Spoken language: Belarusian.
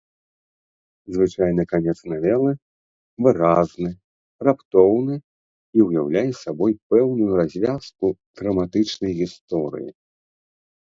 Звычайна канец навелы выразны, раптоўны і ўяўляе сабой пэўную развязку драматычнай гісторыі.